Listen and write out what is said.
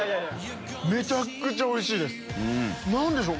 めちゃくちゃおいしいです何でしょう？